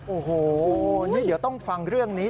โอ้โหนี่เดี๋ยวต้องฟังเรื่องนี้